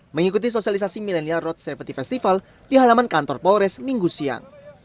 mengikuti sosialisasi millennial road safety festival di halaman kantor polres minggu siang